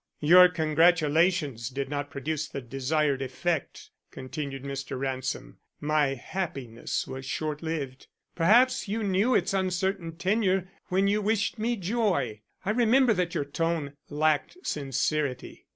"Your congratulations did not produce the desired effect," continued Mr. Ransom. "My happiness was short lived. Perhaps you knew its uncertain tenure when you wished me joy. I remember that your tone lacked sincerity."